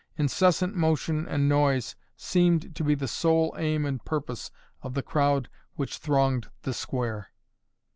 Incessant motion and noise seemed to be the sole aim and purpose of the crowd which thronged the square.